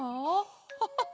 ハハハ